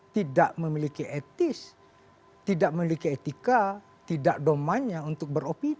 tidak memiliki etis tidak memiliki etika tidak domainnya untuk beropisi